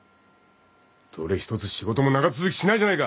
どれ一つ仕事も長続きしないじゃないか。